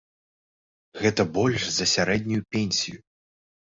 Гэта больш за сярэднюю пенсію!